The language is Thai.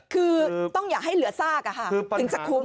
คือต้องอย่าให้เหลือซากถึงจะคุ้ม